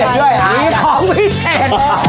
มีของพิเศษ